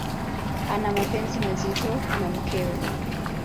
Ana mapenzi mazito na mkewe.